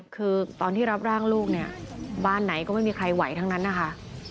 คือตอนที่รับร่างลูกเนี่ยบ้านไหนก็ไม่มีใครไหวทั้งนั้นนะคะ